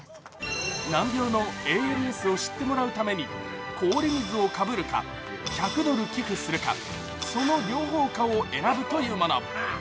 難病のＡＬＳを知ってもらうために氷水をかぶるか１００ドル寄付するか、その両方かを選ぶというもの。